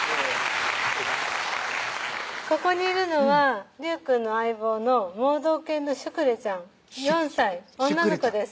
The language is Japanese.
ここにいるのは隆くんの相棒の盲導犬のシュクレちゃん４歳女の子です